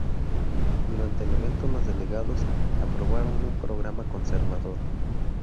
Durante el evento los delegados aprobaron un programa conservador.